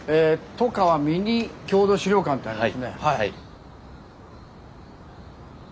「外川ミニ郷土資料館」ってありますね。